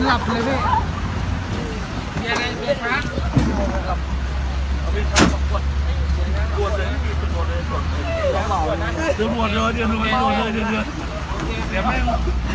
เดี๋ยวเดี๋ยว